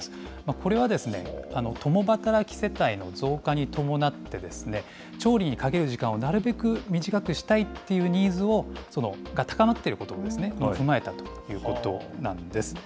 これはですね、共働き世帯の増加に伴って、調理にかける時間をなるべく短くしたいっていうニーズが高まってることを踏まえたということなんです。